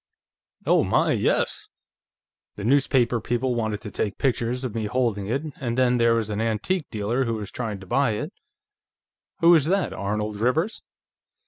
"Oh my, yes! The newspaper people wanted to take pictures of me holding it, and then, there was an antique dealer who was here trying to buy it." "Who was that Arnold Rivers?"